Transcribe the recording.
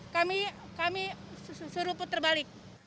kami suruh putar balik